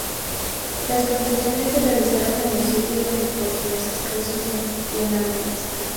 Las construcciones se realizaron en los sitios donde por diversas causas no existían árboles.